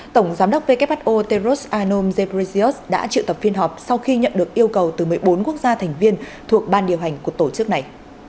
tổng giám đốc who teros anom zebrezios đã triệu tập phiên họp sau khi nhận được yêu cầu từ một mươi bốn quốc gia thành viên thuộc ban điều hành của tổ chức này